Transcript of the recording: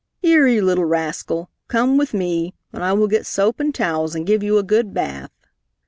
"Here, you little rascal, come with me, and I will get soap and towels and give you a good bath."